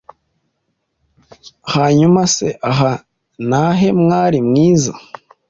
Hanyuma se aha na he mwari mwiza